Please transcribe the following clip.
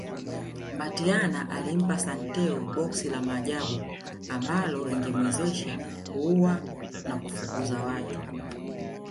Mbatiany alimpa Santeu boksi la Maajabu ambalo lingemwezesha kuua na kufukuza watu